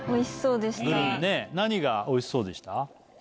何がおいしそうでした？